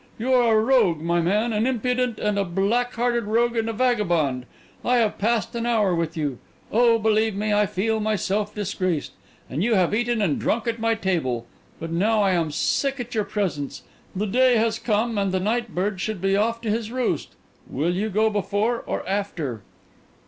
"You are a rogue, my man, an impudent and a black hearted rogue and vagabond. I have passed an hour with you. Oh! believe me, I feel myself disgraced! And you have eaten and drunk at my table. But now I am sick at your presence; the day has come, and the night bird should be off to his roost. Will you go before, or after?"